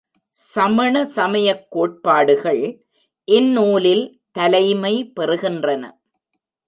சமண சமயக் கோட்பாடுகள் இந்நூலில் தலைமை பெறுகின்றன.